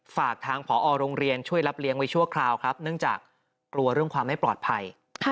ฝากทางผอโรงเรียนช่วยรับเลี้ยงไว้ชั่วคราวครับเนื่องจากกลัวเรื่องความไม่ปลอดภัย